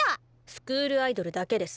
スクールアイドルだけです。